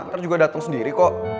ntar juga datang sendiri kok